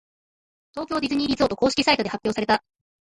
東京ディズニーリゾート公式サイトで発表された。